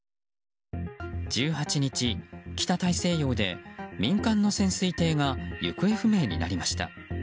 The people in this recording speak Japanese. １８日、北大西洋で民間の潜水艇が行方不明になりました。